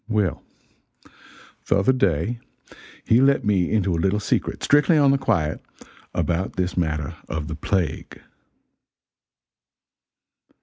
Well, the other day he let me into a little secret, strictly on the quiet, about this matter of the plague.